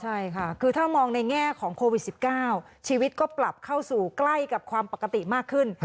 ใช่ค่ะคือถ้ามองในแง่ของโควิด๑๙ชีวิตก็ปรับเข้าสู่ใกล้กับความปกติมากขึ้น